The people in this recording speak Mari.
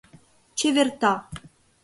чеверта.